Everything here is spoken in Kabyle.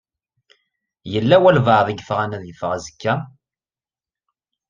Yella walebɛaḍ i yebɣan ad iffeɣ azekka?